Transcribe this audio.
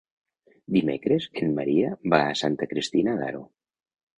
Dimecres en Maria va a Santa Cristina d'Aro.